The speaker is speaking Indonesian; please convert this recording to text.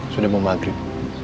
sudah mau maghrib